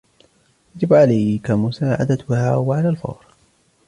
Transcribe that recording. يجب عليك مساعدتها و على الفور.